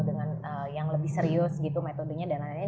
dengan yang lebih serius gitu metodenya dan lain lain